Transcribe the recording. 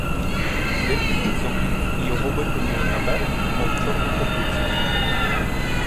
Дельфін зомлів, і його викинули на берег, мов чорну копицю.